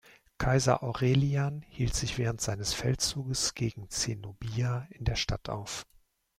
Kaiser Aurelian hielt sich während seines Feldzuges gegen Zenobia in der Stadt auf.